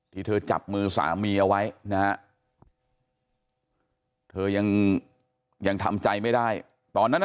ที่เธอจับมือสามีเอาไว้นะฮะเธอยังทำใจไม่ได้ตอนนั้น